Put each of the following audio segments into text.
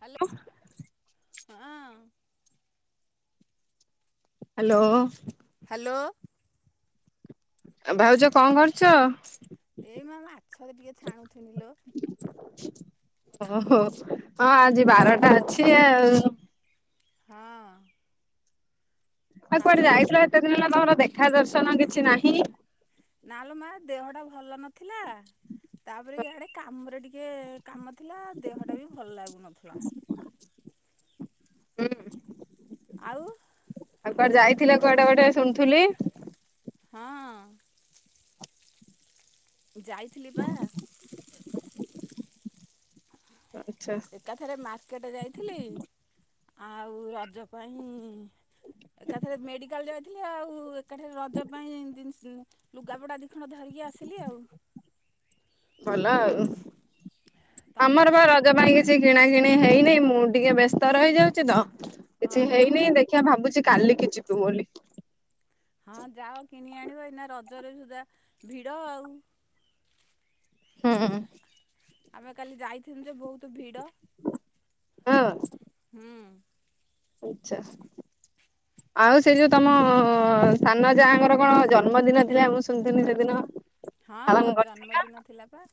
Hello ଆଃ ହଁ। Hello. ଲୋ ଆ, ଭାଉଜ କଣ କରୁଛ? ଏଇ ମୋ ମାଛରେ ଟିକେ ଛାଣୁ ଥିନି ଲୋ। ଓହୋ ହଁ ଆଜି ବାରଟା ଅଛି ଆଉ। ହଁ। ଆଉ ମାଛ କୁଆଡେ ଏଇ ଛା ଯାଇଥିଲ ଏତେ ଦିନ ହେଲା ତୋମର ଦେଖା ଦର୍ଶ ସମାନ କିଛି ନାହିଁ। ନାଆଲୋ ମା ଦେହ ଟା ଭଲ ନଥିଲା ତାପରେ ଇଆଡେ କାମରେ ଟିକେ କାମ ଥିଲା ଦେହଟା ବି ଭଲ ଲାଗୁନଥୁଲା। ହୁଁ, ଆଉ ଆଉ କୁଆଡେ ଯାଇଥିଲ କୁଆଡେ ଗୋଟେ ଶୁଣୁଥୁଲି? ହଁ। ଯାଇଥିଲି ପା ଆଚ୍ଛା। ଏକାଥରେ ମାର୍କେଟ୍ ଯାଇଥିଲି। ଆଉ ରଜ ପାଇଁ ଏକାଥରେ ମେଡ଼ିକାଲ୍ ଯାଇଥିଲି ଆଉ ଏକାଠି ରଜ ପାଇଁ ଦିନିଷ ଲୁଗାପଟା ଦୀଖଣ୍ଡ ଧରିକି ଆସିଲି ଆଉ। ଭଲ ଆଉ। ତମେ? ଆମର ବା ରଜ ପାଇଁ କିଛି କିଣା କିିଣି ହେଇନି ମୁଁ ଟିକେ ବ୍ୟସ୍ତ ରହିଯାଉଚି ତ। କିଛି ଓହୋ। ହେଇନି ଦେଖିବା ଭାବୁଚି କାଲିକି ଯିବୁ ବୋଲି। ହଁ ଯାଅ କି କିଣି ଆଣିବ ଏଇନା ରଜରେ ସୁଦ୍ଧା ଭିଡ଼ ଆଉ। ହୁଁ। ଆମେ କାଲି ଯାଇଥିଲୁ ଯେ ବହୁତ ଭିଡ। ହୁଁ। ହୁଁ ଆଛା ଆଉ ସେ ଯୋଉ ତମ ସାନ ଯାହାଙ୍କର କଣ ଜନ୍ମଦିନ ଥିଲା ମୁଁ ଶୁଣିଥିନି ସେଦିନ। ପାଳନ ହଁ କରିଥିଲ ଜନ୍ମଦିନ ଥିଲା ପା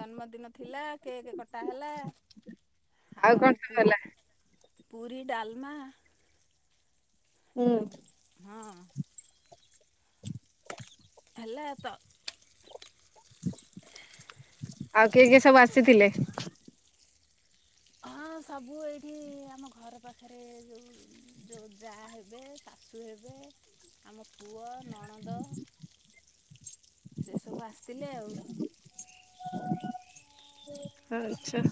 ଜନ୍ମଦିନ ଥିଲା। କେକେ କଟା ହେଲା। ଆଉ କଣ ସବୁହେଲା। ପୁରୀ ଡାଲମା। ହୁଁ। ଯୋଉ ହଁ। ହେଲା ତ। ହ ଆଉ କିଏ କିଏ ସବୁ ଆସିଥିଲେ? ହଁ ସବୁ ଏଇଠି ଆମ ଘର ପାଖରେ ଯେଉଁ ଯେଉଁ ଯା ହେବେ ଶାଶୁ ହେବେ ଆମ। ପୁଅ ନଣନ୍ଦ। ସେ ସବୁ ଆସିଥିଲେ ଆଉ। ଆଚ୍ଛା।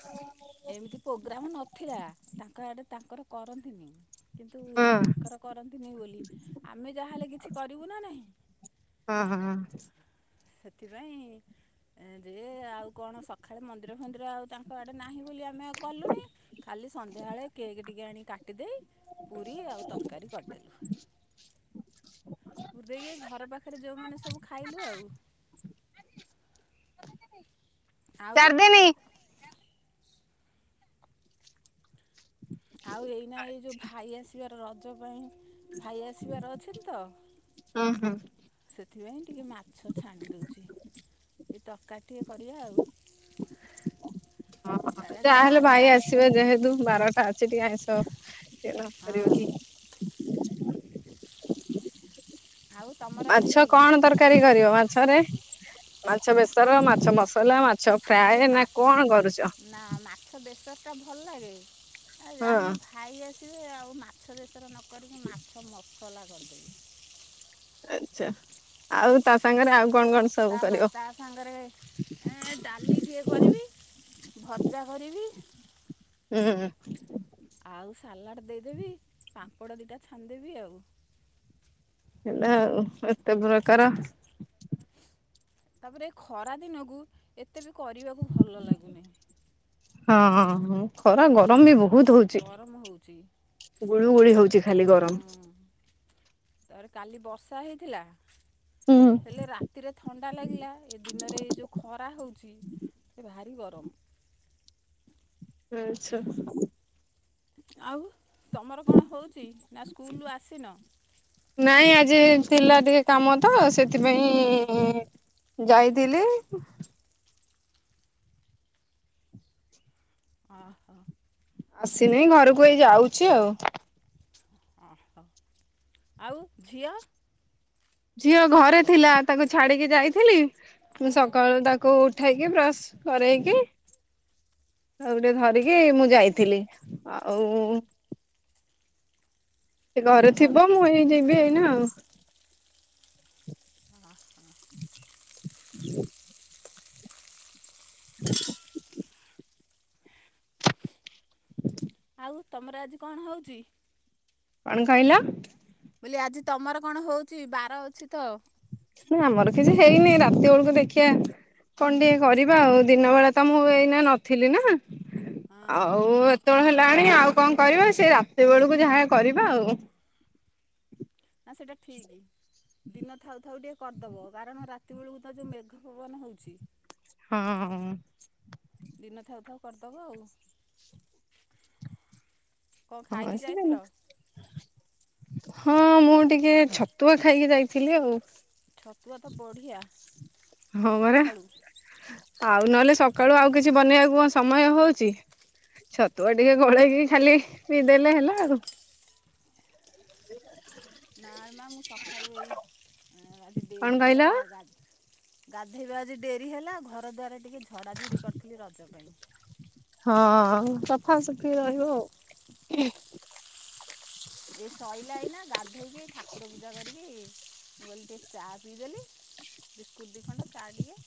ଏମିତି ପ୍ରୋଗ୍ରାମ ନଥିଲା ତାଙ୍କ ଆଡ଼େ ତାଙ୍କର। କରନ୍ତିନି। କିନ୍ତୁ ହଁ ତାଙ୍କର କରନ୍ତିନି ବୋଲି ଆମେ ଯାହାହେଲେ କିଛି କରିବୁ ନା ନାହିଁ। ହଁ ହଁ ସେଥିପାଇଁ ଯେ ଆଉ କଣ ସକାଳେ ମନ୍ଦିର ଫନ୍ଦିର ଆଉ ତାଙ୍କ ଆଡ଼େ ନାହିଁ ବୋଲି ଆମେ କଲୁନି କାଲି ସନ୍ଧ୍ୟାବେଳେ କେକ୍ ଟିକେ ଆଣି କାଟିଦେଇ। ପୁରୀ ଆଉ ତରକାରୀ କରିଦେଲୁ। ପୁର ଦେଇକି ଏଇ ଘର ପାଖରେ ଯୋଉମାନୋନ ସବୁ ଖାଇଲୁ ଆଉ। ଆଉ ଚାରଦିନି। ଆଉ ଏଇନା ଏଇ ଯୋଉ ଭାଇ ଆସିବାର ର ଜ ପାଇଁ। ଭାଇ ଆସିବାର ଅଛନ୍ତି ତ ହଁ ହଁ। ସେଥିପାଇଁ ଟିକେ ମାଛ ଛାଣି ଦେଉଛି। ତକାରି ଟିକଏ କରିବା ଆଉ। ଓୋ ଆରେ ଆଜି ଯାହାହେଲେ ବାରଟା ଭାଇ ଆସିବେ ଯେହେତୁ ବାରଟା ଅଛି। ଛି ଟିକେ ଆଇଁସ। ନକରିବ ହଁ କି। ଆଉ ତମର ଆଜି ମାଛ କଣ ତରକାରୀ କରିବ ମାଛ ମାଛରେ ମାଛ ବେସର ମାଛ ମସଲା ମା ଛ ଆଜି ଫ୍ରାଏ ନା ମାଛ କଣ କରୁଛ? ଟା ଭଲ ଲାଗେ ଆଉ ହଁ। ଯାହାନି ଭାଇ ଆ ଆଉ ମାଛ ବେଶ ନ କରିକି ମାଛ ମ କଲା କରିର୍ଦିନ ଆଛା ଆଉ ତା ସାଙ୍ଗରେ ଆଉ କଣ କଣ ସବୁ ତା କରିବ? ତା ସାଙ୍ଗରେ ଏ ଡାଲିଟିଏ କରିବି ଭଜା କରିବି ହୁଁ। [inaudible] ଆଉ ସାଲାଡ଼ ଦେଇଦବି ପା ପୋଡ଼ ଦୁଇଟା ଛାଣିଦେବି ଆଉ। ହେଲା ଏତେ ପ୍ରକାର ତାପରେ ଏ ଖରା ଦିନକୁ ଏତେ ବି କରିବାକୁ ଭଲ ଲାଗୁନିଁ। ହଁ ଖରା ଗରମ ବି ବହୁତ ବହୁତ ଗରମ ହେଉଛି ହଉଛି ଗୁଳୁ ଗୁଳି ହଉଛି ଖାଲି ଗରମ ତା ପରେ କାଲି ବର୍ଷା ହେଇଥିଲା। ହୁଁ। ହେଲେ ରାତିରେ ଥଣ୍ଡା ଲାଗିଲା ଏ ଦିନରେ ଏଇ ଯୋଉ ଖରା ହେଉଛି ଏ ଭାରି ଗରମ। ପଟମ୍। [inaudible] ହୁଁ ଆଚ୍ଛା। ଆଉ ତମର କଣ ହଉଛି ନା ସ୍କୁଲରୁ ଆସିନ। [inaudible] ନାଇଁ ଆଜି ଥିଲା ଟିକେ କାମ ତ ସେଥିପାଇଁ ଯାଇଥିଲି। ଓହୋ। ଆସିନି ଘରକୁ ଏଇ ଯାଉଛି ଆଉ। ଓହୋ ଆଉ ଝିଅ? ଝିଅ ଘରେ ଥିଲା ତାକୁ ଛାଡିକି ଯାଇଥିଲି ମୁଁ ହୁଁ ସକାଳୁ ତାକୁ ଉ ଠେଇକି ବ୍ରସ କରରେଇକି ଆଉଟିକେ ଧରିକି ମୁଁ ଯାଇଥିଲି ଆଉ ସେ ଘରେ ଆଉ ଥିବ ମୁଁ ଏଇ ଯିବି ଏଇନା ଆଉ। ଓ ହୋ। [inaudible] ଆଉ ତମର ଆଜି କଣ ହଉଛି? କଣ କହିଲ? ବୋଲି ଆଜି ତମର କଣ ହଉଛି ବାର ଅଛି ତ। ନା ଆମର କିଛି ହେଇନି। ରାତି ବେଳକୁ ଦେଖିବା, କଣ ଟିକେ କରିବା। ଆଉ ଦିନ ବେଳେ ତ ମୁଁ ଏଇନା ନଥିଲି ନା ଆଉ। ଏତେବେଳେ ହେଲାଣି ଆଉ କଣ କରିବା ସେ ରାତି ବେଳକୁ ଯାହା କରିବା ଆଉ। ନା, ସେଇଟା ଠିକ୍। ଦିନ ଥାଉ ଥାଉ ଟିକେ କରିଦବ। କାରଣ, ରାତି ବେଳକୁ ତ ଯେଉଁ ମେଘ ପବନ ହେଉଛି। ହଁ। ଦିନ ଥାଉ ଥାଉ କରିଦବ ଆଉ। କ'ଣ ହଁ ଖାଇକି [unintelligible] ଯାଇଥିଲ ସିଲାନି। ହଁ ମୁଁ ଟିକେ ଛତୁଆ ଖାଇକି ଯାଇଥିଲି ଆଉ। ଛତୁଆ ତ ବଢ଼ିଆ। ହଁ ମରା ସକାଳୁ ଆଉ ନହେଲେ, ସକାଳୁ ଆଉ କିଛି ବନେଇବାକୁ କଣ ସମୟ ହଉଛି? ଛତୁଆ ଟିକେ ଗୋଳେଇକି ଖାଲି ପିଇ ଦେଲେ, ହେଲା ଆଉ। [inaudible] ନା ରେ ମା, ମୁଁ ସକାଳୁ ଏଇ ଆଜି କଣ ଡେରି କହିଲ? ହେଲା, ରା ଗାଧେଇବା ଆଜି ଡେରି ହେଲା ଘର ଦ୍ବାର ଟିକେ ଝଡ଼ାଝଡ଼ି କରିଥିଲି ରଜ ପାଇଁ। ହଁ ସଫାସୁଫି ରହିବ ଆଉ। [inaudible] ଶୋଇଲା ଏଇନା ଗାଧୋଇକି ଠାକୁର ପୂଜା କରିକି ମୁଁ ଗଲି ଟିକେ ଚା ପିଇଦେଲି ବିସ୍କୁଟ୍ ଦୁଇ ଖଣ୍ଡେ ଚା ଟିକେ।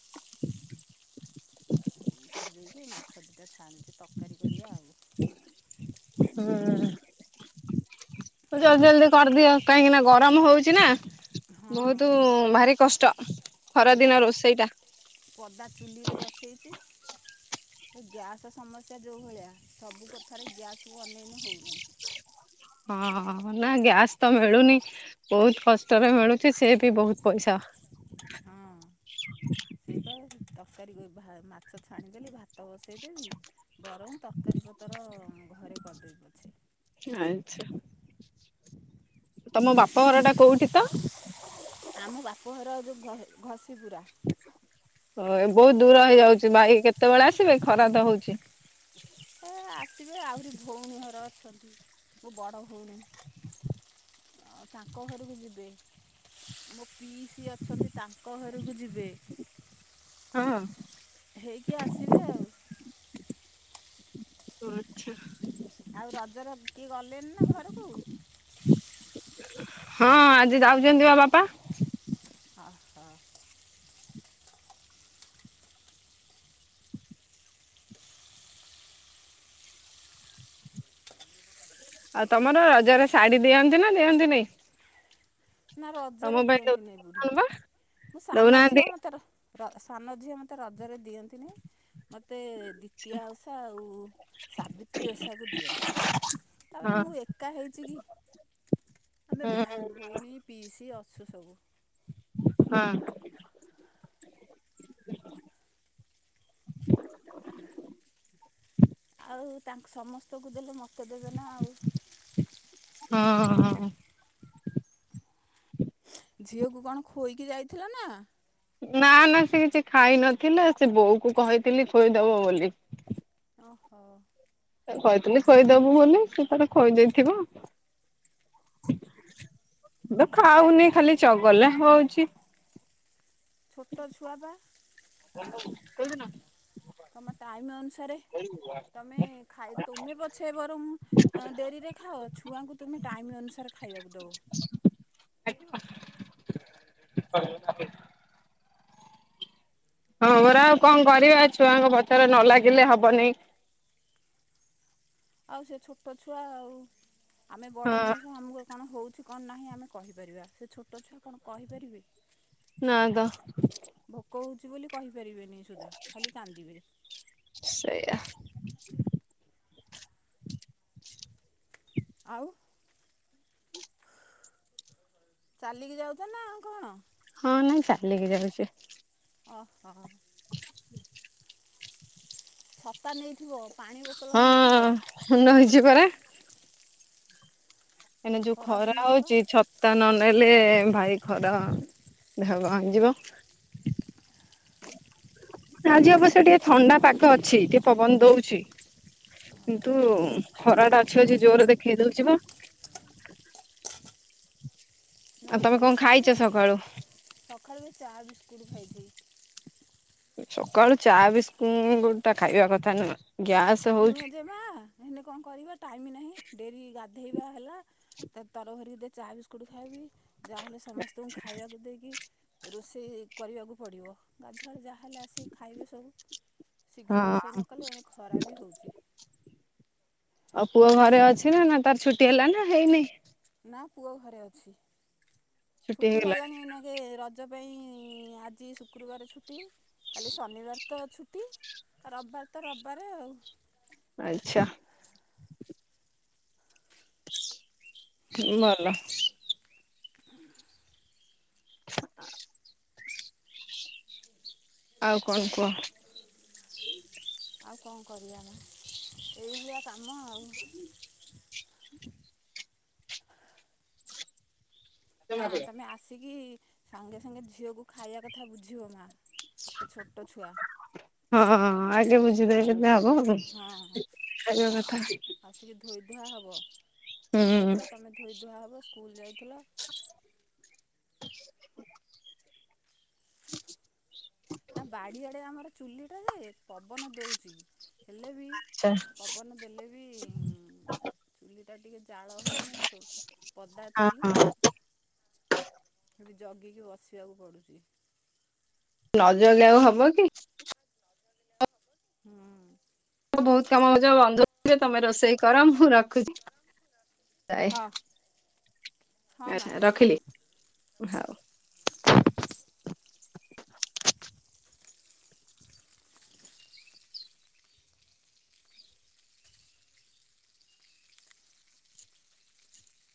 କରିଦେଇକି ମାଛ ଦୁଇଟା ଛାଣୁଛି ତରକାରୀ କରିବା ଆଉ। ହୁଁ। ଜଲଦି ଜଲଦି କରିଦିଅ, କାହିଁକି ନା ଗରମ ହଉଛିି ନା? ହଁ ବହୁତ ଭାରି କଷ୍ଟ। [inaudible] ଏଇପା ଖରାଦିନ ପ- ରୋଷେଇଟା ପଦା ଚୁଲିରେ ବସେଇଛି। ଏ ଗ୍ୟାସ୍ ସମସ୍ୟା, ଯଉଭଳିଆ ସବୁ କଥାରେ ଗ୍ୟାସ୍ କୁ ଅନେଇଲେ ହଉନାହିଁ। ହଁ ନା ଗ୍ୟାସ ତ ମିଳୁନି ବହୁତ କଷ୍ଟରେ ମିଳୁଛି ସେ ବି ବହୁତ ପଇସା। ହଁ ସେଇପା ତରକାରୀ କରି ଭା ମାଛ ଛାଣିଦେଲେ ଭାତ ଭାତ ବସାଇ ଦେବି ବରଂ ତରକାରୀ ପତ୍ର ଘରେ କରିଦେବି ପଛେ ଆଛା। ତମ ବାପା ଘର ଟା କୋଉଠି ତ? ଆମ ବାପଘର ଯୋଉ ଘ ଘସି ପୁରା ହଁ ବହୁତ ଦୂର ହେଇଯାଉଛି, ଭାଇ କେତେବେଳେ ଆସିବେ ଖରା ତ ହଉଛି। ଏ ଆସିବେ ଆହୁରି ଭଉଣୀ ଘର ଅଛନ୍ତି। ମୋ ବଡ଼ ଭଉଣୀ, ତାଙ୍କ ଘରକୁ ଯିବେ। ମୋ ପିଇ ସିଏ ଅଛନ୍ତି। ତାଙ୍କ ଘରକୁ ଯିବେ, ହଁ। ହେଇକି ଆସିବେ ଆଉ। ଓ ଆଚ୍ଛା। ଆଉ ରଜର କିଏ ଗଲେନି ନା ଘରକୁ ହଁ ଆଜି ଯାଉଛନ୍ତି ବା ବାପା। ଆ ହୋ। ଆଉ ତମର ରଜରେ ଶାଢୀ ଦିଅନ୍ତି ନା ଦିଅନ୍ତିନି? ନା ତମ ରଜରେ ପାଇଁ ଦିଅନ୍ତିନି ଦଉନାହାନ୍ତି ବା ମୁଁ ସାନ ଦଉନାହାନ୍ତି ଝିଅ ମୋତେ ର ସାନ ଝିଅ ମତେ ରଜରେ ଦିଅନ୍ତିନେଇ ମତେ ମୋତେ ଦ୍ୱିତୀୟା ଓଷା ଆଉ ସାବିତ୍ରୀ ଓଷାକୁ ଦିଅନ୍ତି। ତାପରେ ହଁ ମୁଁ ଏକା ହେଇଛି କି ଆମେ ହଁ ଭାଇ ଭଉଣୀ ପିଇସୀ ଅଛୁ ସବୁ। ହଁ। ଆଉ ତାଙ୍କ ସମସ୍ତଙ୍କୁ ଦେଲେ ମତେ ତ ଦେବେ ନା ଆଉ ହଁ। ଝିଅକୁ କଣ ଖୋଇକି ଯାଇଥିଲା ନା? ନା ନା ସେ କିଛି ଖାଇ ନଥିଲା ସେ ବୋଉ କୁ କହିଥିଲି ଖୋଇଦବ ବୋଲି। ଓହୋ। କହିଥିଲି ଖୋଇଦବୁ ବୋଲି ସେ ତାର ଖୋଇଦେଇଥିବ। ଇଏ ତ ଖାଉନି ଖାଲି ଚ ଗଲା ହଉଛି। ଛୋଟ ଛୁଆ ବା କୋଉଦିନ? ତମ ଟାଇମ ଅନୁସାରେ ସାରେ ତମେ ଖାଇ ତୁମେ ପଛେ ବରଂ ଡେରିରେ ଖାଅ ଛୁଆଙ୍କୁ ତୁମେ ଟାଇମ୍ ଅନୁସାରେ ଖାଇବାକୁ ଦବ। [unintelligible] ହଁ ମୋରା ଆଉ କଣ କରିବା ଛୁଆଙ୍କ ପଛରେ ନ ଲାଗିଲେ ହବନେଇ। ଆଉ ସେ ଛୋଟ ଛୁଆ ଆଉ। ଆମେ ବଡ ହଁ ମଣିଷ ଆମକୁ କଣ ହଉଛୁ। କଣ ନାହିଁ ଆମେ କହିପାରିବା ସେ ଛୋଟ ଛୁଆ କଣ କହିପାରିବେ। ନାଁ ତ ଚି ବୋଲି କହି ପାରିବେନି ସୁଦ୍ଧା ଖାଲି କାନ୍ଦିବେ। ସେଇଆ। ଆଉ ଚାଲିକି ଯାଉଛ ନା କଣ? ହଁ ନାଇଁ ଚାଲିକି ଯାଉଛି? ଓହୋ। ଛତା ନେଇଥିବ। ପାଣି ବୋତଲ ହଁ ନେଇଥିବ ହଁ ମୁଁ ନଇଛି ପରା। କାଇଁନା ଯୋଉ ଖରା ଦିନଟା ପା ହଉଛି ଛତା ନ ନେଲେ ହେଲେ ଭାଇ ଖରା ଦେହ କଣ ହେଇଯିବ। ଆଜି ଅବଶ୍ୟ ଟିକେ ଥଣ୍ଡା ପାଗ ଅଛି ଟିକେ ପବନ ଦଉଛି କିନ୍ତୁ ଖରାଟା ଅଛି ଅଛି ଜୋରରେ ଦେଖେଇ ଦଉଛି ବା। ଆଉ ନା ତମେ କଣ ହଉ ଖାଇଛ ପଛେ ସକାଳୁ ସକାଳୁ ବି ଚା ବିସ୍କୁଟ୍ ଖାଇଛି। ସକାଳୁ ଚା ବିସ୍କୁଟ ଗୋଟା ଖାଇବା କଥା ନୁହଁ। ଗ୍ୟାସ ନୁହେଁ ହଉଛି ଯବା ହେନ କଣ କରିବା ଟାଇମ ନାହିଁ ଡେରି ଗା ଧେଇବା ହେଲା ତର ଭରିରେ ଚା ବିସ୍କୁଟ ଖାଇବି ଯାହାହେଲେ ସମସ୍ତଙ୍କୁ ଖାଇବାକୁ ଦେଇକି ରୋଷେଇ କରିବାକୁ ପଡ଼ିବ ଗାଧୁଆଡ଼ ଯାହାହେଲେ ଆସିକି ଖାଇବେ ସବୁ ଶୀଘ୍ର ହଁ ରୋଷେଇ ନ କଲେ ଏଣେ ଖରା ବି ଆଉ ପୁଅ ଘରେ ଅଛି ନା ନା ତାର ଛୁଟି ହେଲା ନାଁ ହେଇନି? ନାଁ ପୁଅ ଘରେ ଅଛି। ଛୁଟି ହେଲାଣି ଏଇନା କେ ରଜ [inaudible] ଆଜି ଶୁକ୍ରବାର ଛୁଟି କାଲି ଶନିବାର ତ ଛୁଟି ରବିବାର ତ ରବିବାର ଆଉ ଆଚ୍ଛା। ଭଲ [inaudible] ଆଉ କଣ କୁହ? ଆଉ କଣ କରିବା ନାଁ ଏଇଭଳିଆ କାମ ଆଉ [inaudible] ନାଁ ତମେ ଆସି କି ସାଙ୍ଗେ ସାଙ୍ଗେ ଝିଅକୁ ଖାଇବା କଥା ବୁଝିବ ମା ସେ ଛୋଟ ଛୁଆ ହଁ ଆଗେ ବୁଝିଦେବେ। ହଁ ଯାହାହେବ ଖାଇବା କଥା। ଧୂଆ ହବ। ଛୋଟ ହୁଁ ଛୁଆ ତମେ ଧୋଇ ଧୂଆ ହେବ ସ୍କୁଲ ଯାଇଥିଲ। [inaudible] [inaudible] ନା ବାଡ଼ିଆଡେ ଆମର ଚୁଲିଟା ଯେ ପବନ ଦଉଛି। ହେଲେ ବି ଆଛା ପବନ ଦେଲେ ବି ଚୁଲିଟା ଟିକେ ଜାଳ ହେଉନି ଛୋ ପଦା ଚୁଲି ହଁ ହଁ ଜଗିକି ବସିବାକୁ ପଡ଼ୁଛି। ନଜଗିଲେ ଆଉ ହବ କି। ହୁଁ। ମୋ ବହୁତ କାମ ହଉଛି ମୋ ବନ୍ଧୁ ଆସିବେ ତମେ ରୋଷେଇ କର ମୁଁ ରଖୁଛି। ଯାଏ ହଁ ହଁ ମା। ଆଛା ରଖିଲି। ହଉ [inaudible]